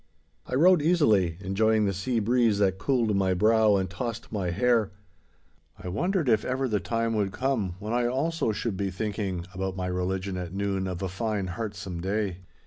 I rode easily, enjoying the sea breeze that cooled my brow and tossed my hair. I wondered if ever the time would come, when I also should be thinking about my religion at noon of a fine heartsome day.